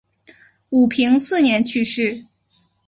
武平四年去世。